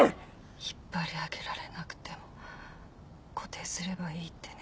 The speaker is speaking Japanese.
引っ張り上げられなくても固定すればいいってね。